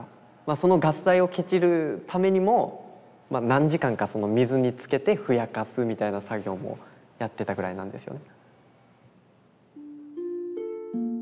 そのガス代をケチるためにも何時間か水につけてふやかすみたいな作業もやってたぐらいなんですよね。